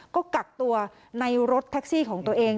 ก็กักตัวในรถแท็กซี่ของตัวเอง